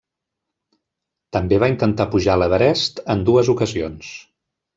També va intentar pujar l'Everest en dues ocasions.